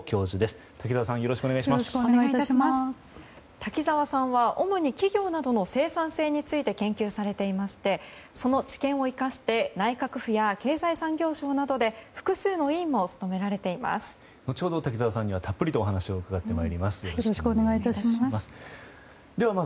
滝澤さんは主に企業などの生産性について研究されていましてその知見を生かして内閣府や経済産業省などで複数の委員も後ほど滝澤さんにはたっぷりとお話を伺ってまいります。